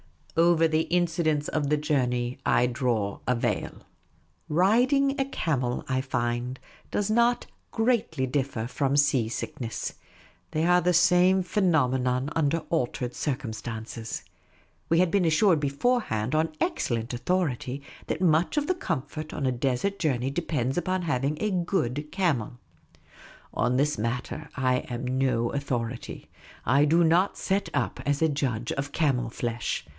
Over the incidents of the journey I draw a veil. Riding a camel, I find, does not greatly differ from sea sickness. They are the same phenomenon under altered circumstances. We had been assured beforehand on excellent authority that " much of the comfort on a desert journey depends upon having a good camel." On this matter I am no authority. I do not set up as a judge of camel flesh.